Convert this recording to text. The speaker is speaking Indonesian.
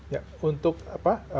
ya untuk apa